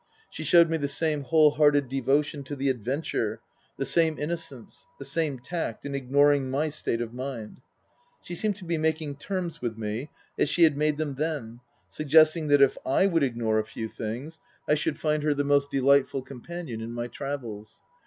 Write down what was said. She showed the same whole hearted devotion to the adventure, the same innocence, the same tact in ignoring my state of mind. She seemed to be making terms with me as she had made them then, suggesting that if / would ignore a few things I should find her the Book III : His Book 287 most delightful companion in my travels.